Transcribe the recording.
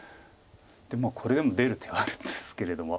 これでも出る手はあるんですけれども。